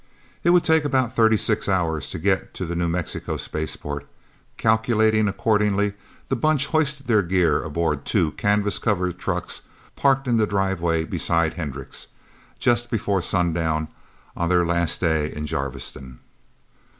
It would take about thirty six hours to get to the New Mexico spaceport. Calculating accordingly, the Bunch hoisted their gear aboard two canvas covered trucks parked in the driveway beside Hendricks', just before sundown of their last day in Jarviston.